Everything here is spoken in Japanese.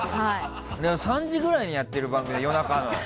３時ぐらいにやってる番組だよ